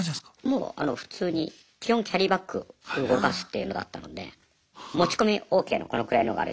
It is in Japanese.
もう普通に基本キャリーバッグ動かすっていうのだったので持ち込みＯＫのこのくらいのがあるじゃないですか。